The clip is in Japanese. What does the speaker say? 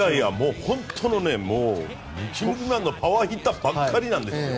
本当の、チームのパワーヒッターばかりなんです。